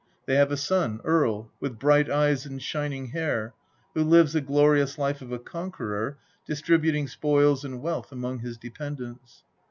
They have a son, Earl, with bright eyes and shining hair, who lives the glorious life of a conqueror, distributing spoils and wealth among his dependents.